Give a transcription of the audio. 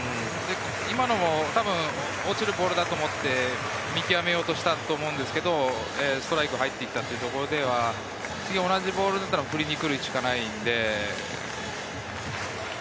今のも多分落ちるボールだと思って、見極めようとしたと思うんですけれど、ストライクに入ってきたというところでは、次、同じボールが来たら振りにいくしかない。